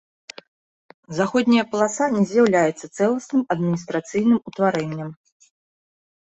Заходняя паласа не з'яўляецца цэласным адміністрацыйным утварэннем.